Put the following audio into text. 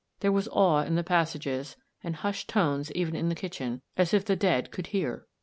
There was awe in the passages, and hushed tones even in the kitchen, as if the dead could hear!